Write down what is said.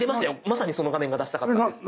まさにその画面が出したかったんです。